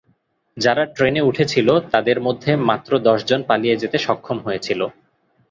যারা ট্রেনে উঠেছিল তাদের মধ্যে মাত্র দশজন পালিয়ে যেতে সক্ষম হয়েছিল।